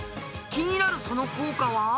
気になるその効果は？